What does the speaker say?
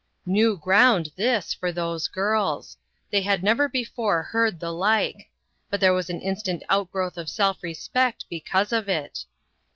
New ground this, for those girls; they had never before heard the like ; but there was an instant outgrowth of self respect be cause of it.